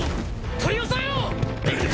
取り押さえろ！